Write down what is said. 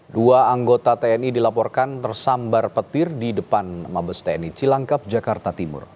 dua anggota tni dilaporkan tersambar petir di depan mabes tni cilangkap jakarta timur